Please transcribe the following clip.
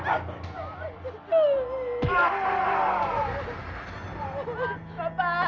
kamu jangan ikut campur